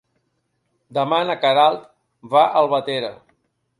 Demà na Queralt va a Albatera.